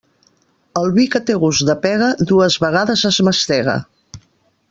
El vi que té gust de pega dues vegades es mastega.